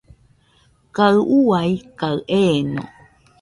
Kaɨ ua kaɨ eeno.